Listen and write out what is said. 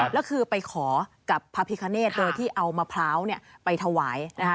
แล้วคือไปขอกับพระพิคเนตโดยที่เอามะพร้าวไปถวายนะคะ